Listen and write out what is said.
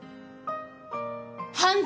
犯罪。